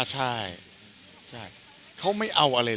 แล้วเราก็เข้าสั่งไว้แล้วครับ